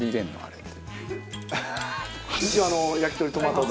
一応焼き鳥トマト丼。